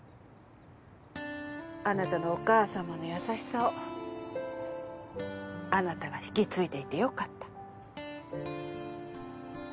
あなたのお母さまの優しさをあなたが引き継いでいてよかった。